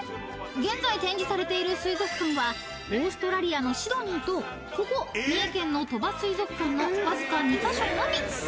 ［現在展示されている水族館はオーストラリアのシドニーとここ三重県の鳥羽水族館のわずか２カ所のみ］